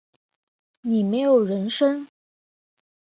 你没有人生